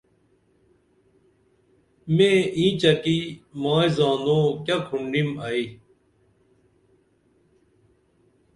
میں اینچہ کی مائی زانو کیہ کُھنڈیم ائی